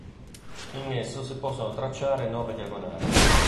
In esso si possono tracciare nove diagonali.